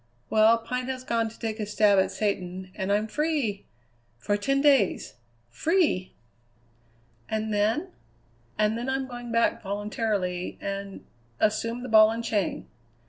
Well, Pine has gone to take a stab at satan, and I'm free for ten days. Free!" "And then?" "And then I'm going back voluntarily, and assume the ball and chain!"